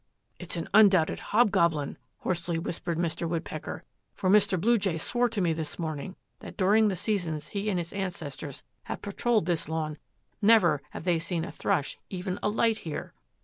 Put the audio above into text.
"It is undoubtedly a hobgoblin," hoarsely whispered Mr. Woodpecker, "for Mr. Blue Jay swore to me this morning that during the seasons he and his ancestors have patrolled this lawn never have they seen a thrush even alight here."